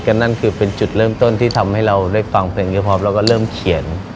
ก็นั่นคือเป็นจุดเริ่มต้นที่ทำให้เราได้ฟังเพลงก็พร้อมแล้วก็เริ่มเขียน